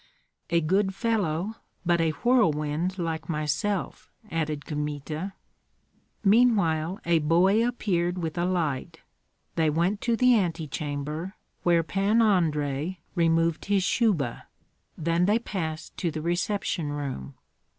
"A good fellow, but a whirlwind like myself," added Kmita. Meanwhile a boy appeared with a light. They went to the antechamber, where Pan Andrei removed his shuba; then they passed to the reception room.